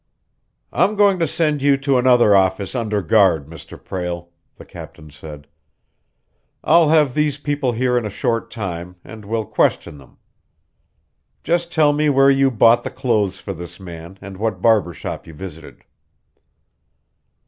"I'm going to send you to another office under guard, Mr. Prale," the captain said. "I'll have these people here in a short time, and we'll question them. Just tell me where you bought the clothes for this man, and what barber shop you visited."